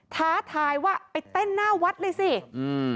ท้าทายว่าไปเต้นหน้าวัดเลยสิอืม